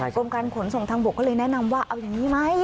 กรมการขนส่งทางบกก็เลยแนะนำว่าเอาอย่างนี้ไหม